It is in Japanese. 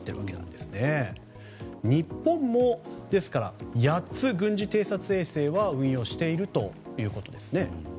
ですから日本も、８つ軍事偵察衛星は運用しているということですね。